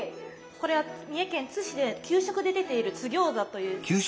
これは三重県津市で給食で出ている「津ぎょうざ」という食べ物です。